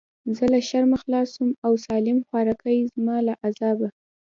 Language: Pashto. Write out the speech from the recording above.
زه له شرمه خلاص سوم او سالم خواركى زما له عذابه.